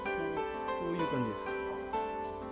こういう感じです。